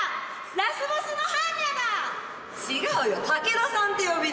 ラスボスの般若だ違うよ武田さんって呼びなよ